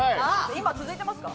今続いてますか？